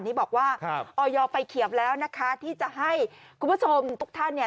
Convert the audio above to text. นี้บอกว่าออยไฟเขียบแล้วนะคะที่จะให้คุณผู้ชมทุกท่านเนี่ย